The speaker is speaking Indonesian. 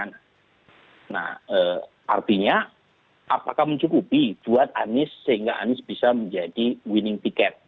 nah artinya apakah mencukupi buat anies sehingga anies bisa menjadi winning ticket